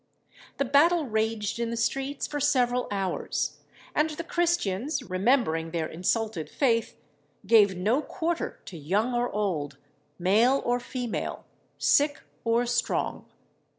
The battle raged in the streets for several hours, and the Christians, remembering their insulted faith, gave no quarter to young or old, male or female, sick or strong.